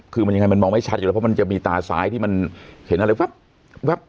คือมันยังไงมันมองไม่ชัดอยู่แล้วเพราะมันจะมีตาซ้ายที่มันเห็นอะไรแว๊บ